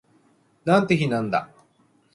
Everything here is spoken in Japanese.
なんて日なんだ